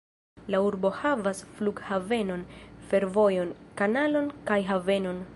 La urbo havas flughavenon, fervojon, kanalon kaj havenon.